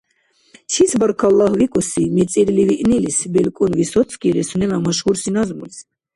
«Чис баркалла викӀуси — мицӀирли виънилис», — белкӀун Высоцкийли сунела машгьурси назмулизиб.